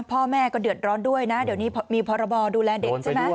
พ่อแม่ก็เดือดร้อนด้วยนะเดี๋ยวนี้มีพรบดูแลเด็กใช่ไหม